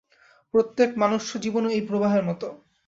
প্রত্যেক মনুষ্য-জীবন এই প্রবাহের মত।